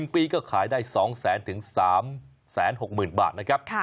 ๑ปีก็ขายได้๒๐๐๐๓๖๐๐๐บาทนะครับ